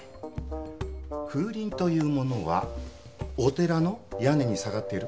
風鈴というものはお寺の屋根に下がっている